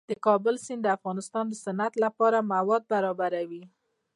د کابل سیند د افغانستان د صنعت لپاره مواد برابروي.